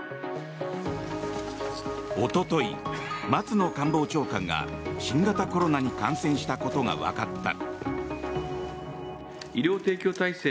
おととい、松野官房長官が新型コロナに感染したことがわかった。